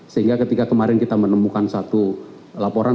sehingga ketika kemarin kita menemukan satu laporan